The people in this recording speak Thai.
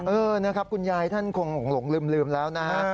เออนะครับคุณยายท่านคงหลงลืมแล้วนะฮะ